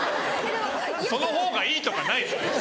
そのほうがいいとかないです。